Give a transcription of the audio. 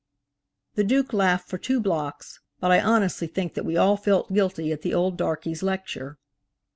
The Duke laughed for two blocks, but I honestly think that we all felt guilty at the old darkey's lecture.